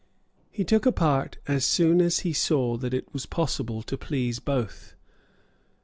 He took a part as soon as he saw that it was possible to please both.